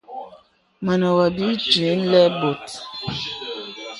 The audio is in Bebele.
Mə nə wɔ bì ìtwì ləbô.